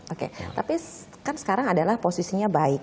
oke tapi kan sekarang adalah posisinya baik